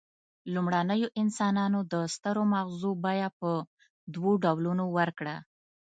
لومړنیو انسانانو د سترو مغزو بیه په دوو ډولونو ورکړه.